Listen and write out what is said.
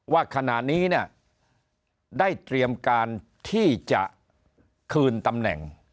ว่าขณะนี้เนี่ยได้เตรียมการที่จะคืนตำแหน่ง